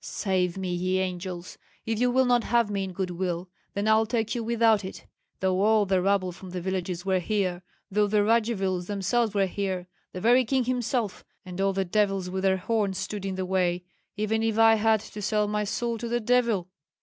Save me, ye angels! If you will not have me in good will, then I'll take you without it, though all the rabble from the villages were here, though the Radzivills themselves were here, the very king himself and all the devils with their horns stood in the way, even if I had to sell my soul to the Devil!"